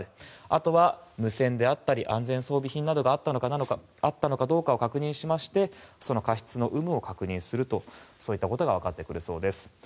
あとは無線、安全装備品があったのかどうかを確認しまして過失の有無を確認するといったことが分かってくるそうです。